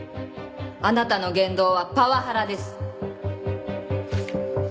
あなたの言動はパワハラです。